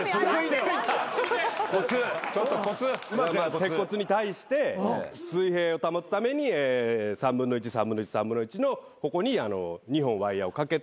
鉄骨に対して水平を保つために３分の１３分の１３分の１のとこに２本ワイヤを掛けて。